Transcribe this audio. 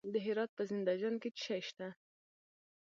د هرات په زنده جان کې څه شی شته؟